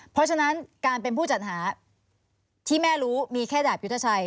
เพราะฉะนั้นการเป็นผู้จัดหาที่แม่รู้มีแค่ดาบยุทธชัย